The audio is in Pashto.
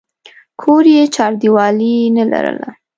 کور یې چاردیوالي نه لرله.